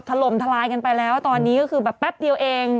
ถล่มทลายกันไปแล้วตอนนี้ก็คือแบบแป๊บเดียวเอง